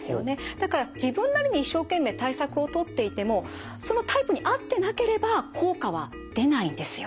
だから自分なりに一生懸命対策をとっていてもそのタイプに合ってなければ効果は出ないんですよ。